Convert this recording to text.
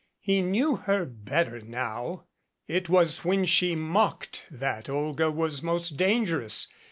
He knew her better now. It was when she mocked that Olga was most dangerous.